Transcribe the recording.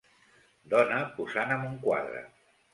Dona posant amb un quadre.